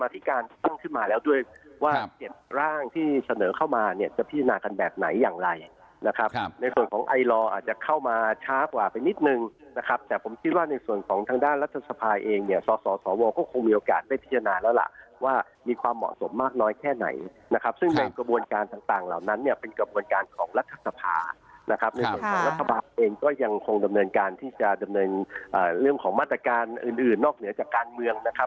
แต่ผมคิดว่าในส่วนของทางด้านรัฐสภาเองเนี่ยสสสวก็คงมีโอกาสได้พิจารณาแล้วล่ะว่ามีความเหมาะสมมากน้อยแค่ไหนนะครับซึ่งในกระบวนการต่างเหล่านั้นเนี่ยเป็นกระบวนการของรัฐสภานะครับเนี่ยส่วนของรัฐบาลเองก็ยังคงดำเนินการที่จะดำเนินเรื่องของมาตรการอื่นนอกเหนือจากการเมืองนะครับ